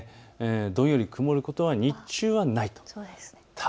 どんより曇ることは日中はないと。